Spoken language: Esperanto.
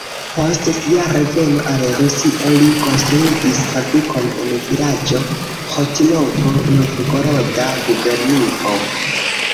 Post sia reveno al Rusio li konstruigis fabrikon en vilaĝo Ĥotilovo, Novgoroda gubernio.